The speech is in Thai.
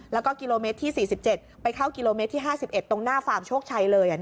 แล้วก็กิโลเมตรที่๔๗ไปเข้ากิโลเมตรที่๕๑ตรงหน้าฟาร์มโชคชัยเลย